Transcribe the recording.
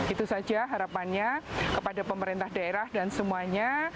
itu saja harapannya kepada pemerintah daerah dan semuanya